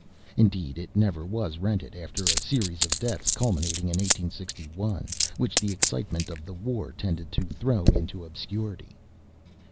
Indeed, it never was rented after a series of deaths culminating in 1861, which the excitement of the war tended to throw into obscurity.